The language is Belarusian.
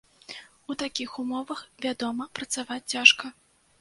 У такіх умовах, вядома, працаваць цяжка.